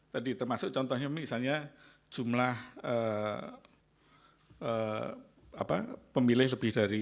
tadi termasuk contohnya misalnya jumlah pemilih lebih dari